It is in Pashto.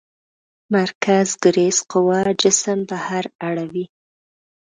مرکزګریز قوه جسم بهر اړوي.